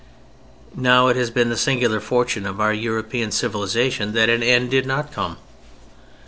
Now it has been the singular fortune of our European civilization that an end did not come.